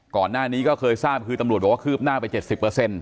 ก่อนหน้านี้ก็เคยทราบคือตำรวจบอกว่าคืบหน้าไป๗๐